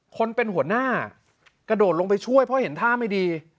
คนเป็นหัวหน้ากระโดดลงไปช่วยเพราะเห็นท่าไม่ดี